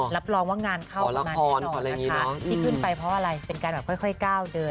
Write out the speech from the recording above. รับรองว่างานเข้ามาแน่นอนนะคะที่ขึ้นไปเพราะอะไรเป็นการแบบค่อยก้าวเดิน